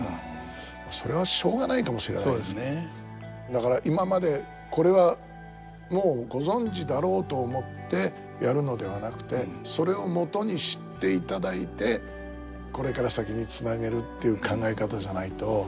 だから今まで「これはもうご存じだろう」と思ってやるのではなくてそれをもとにしていただいてこれから先につなげるっていう考え方じゃないと。